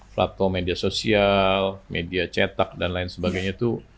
platform media sosial media cetak dan lain sebagainya itu